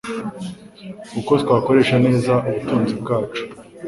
Uko twakoresha neza ubutunzi bwacu